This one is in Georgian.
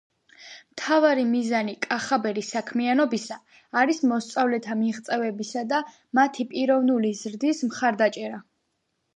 მთავარი მიზანი კახაბერის საქმიანობისა არის მოსწავლეთა მიღწევებისა და მათი პიროვნული ზრდის მხარდაჭერა